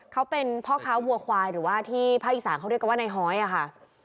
เขาเป็นพ่อข้าวหัวควายหรือว่าที่พระอีสานเขาเรียกว่าในฮ้อยค่ะ